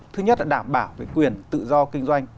đã đảm bảo về quyền tự do kinh doanh